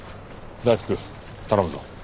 大福頼むぞ。